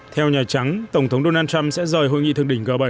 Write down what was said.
theo nhà trắng tổng thống donald trump sẽ rời hội nghị thương chỉnh hình đa khoa